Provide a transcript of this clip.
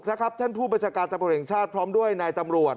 ท่านผู้บัญชาการตำรวจแห่งชาติพร้อมด้วยนายตำรวจ